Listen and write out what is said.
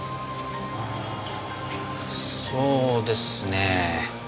うんそうですね。